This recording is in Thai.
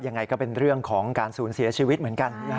ยังไงก็เป็นเรื่องของการสูญเสียชีวิตเหมือนกัน